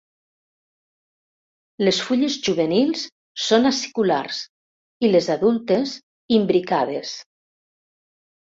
Les fulles juvenils són aciculars i les adultes imbricades.